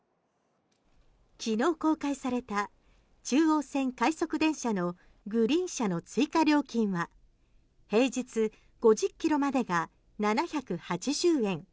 昨日公開された中央線快速電車のグリーン車の追加料金は平日５０キロまでが７８０円。